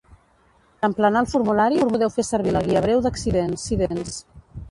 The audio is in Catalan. Per emplenar el formulari, podeu fer servir la Guia breu d'accidents.